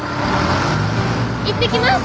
行ってきます。